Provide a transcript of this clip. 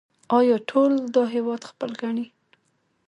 آیا ټول دا هیواد خپل ګڼي؟